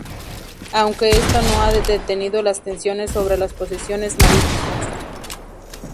Aunque esto no ha detenido las tensiones sobre las posesiones marítimas.